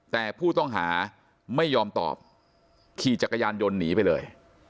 แต่ผู้ต้องหาไม่ยอมตอบขี่จักรยานยนต์หนีไปเลย